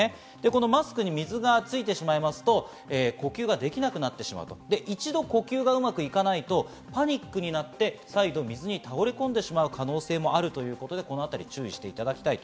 マスクに水がついてしまうと呼吸ができなくなってしまうと、一度呼吸がうまくいかないとパニックになって再度水に倒れ込んでしま可能性もあるということです。